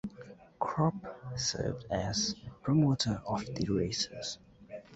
Kropp served as promoter of the races.